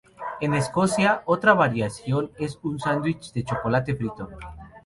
En Escocia, otra variación es un sándwich de chocolate frito.